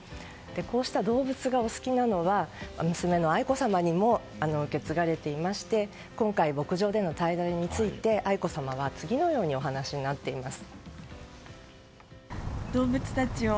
こうした動物がお好きなのは娘の愛子さまにも受け継がれていまして今回、牧場での滞在について愛子さまは次のようにお話になっています。